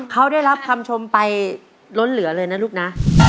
เขาได้รับคำชมไปล้นเหลือเลยนะลูกนะ